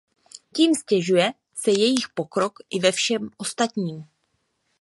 Tím ztěžuje se jejich pokrok i ve všem ostatním.